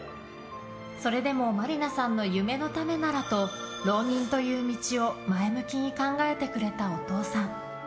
それでも真里奈さんの夢のためならと浪人という道を前向きに考えてくれたお父さん。